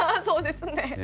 そうですね。